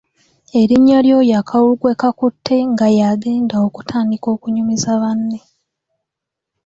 Erinnya ly’oyo akalulu gwe kakutte nga yagenda okutandika okunyumiza banne